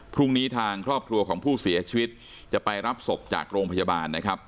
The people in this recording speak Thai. พรุ่งนี้ทางครอบครัวของผู้เสียชีวิตจะไปรับศพจากโรงพยาบาลนะครับ